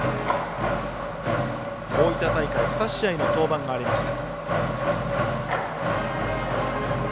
大分大会２試合の登板がありました。